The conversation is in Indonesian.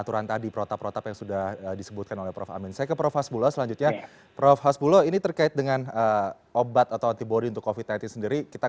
registrasinya kalau meragukan